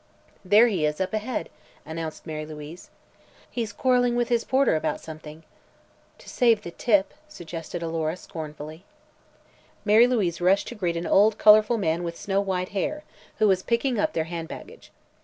"There he is, up ahead," announced Mara Louise. "He's quarreling with his porter about something." "To save the tip," suggested Alora, scornfully. Mary Louise rushed to greet an old colorful man with snow white hair, who was picking up their hand baggage.